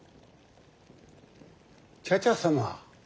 茶々様。